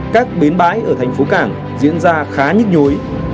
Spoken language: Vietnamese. các bến bãi ở thành phố cảng diễn ra khá nhức nhối